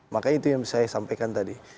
makanya itu yang saya sampaikan tadi